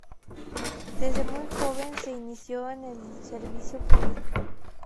Desde muy joven se inició en el servicio público.